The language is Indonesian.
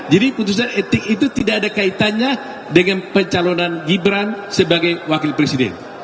jadi putusan etik itu tidak ada kaitannya dengan pencalonan gibran sebagai wakil presiden